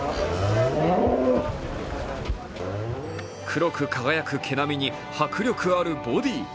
黒く輝く毛並みに迫力あるボディー。